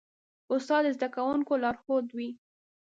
استاد د زدهکوونکو لارښود وي.